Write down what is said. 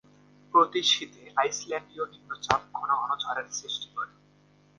প্রতি শীতে আইসল্যান্ডীয় নিম্নচাপ ঘন ঘন ঝড়ের সৃষ্টি করে।